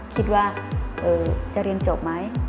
คิดว่าจะเรียนจบไหม